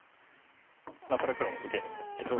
これ黒も受けるんですけど。